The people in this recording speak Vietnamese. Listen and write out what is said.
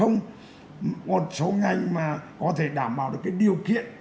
một số ngành mà có thể đảm bảo được cái điều kiện